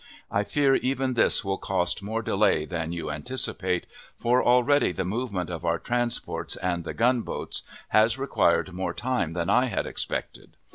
I fear even this will cost more delay than you anticipate, for already the movement of our transports and the gunboats has required more time than I had expected.